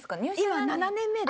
今７年目で。